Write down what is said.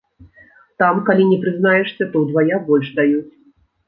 Там калі не прызнаешся, то ўдвая больш даюць.